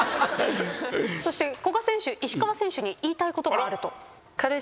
そして古賀選手石川選手に言いたいことがあると。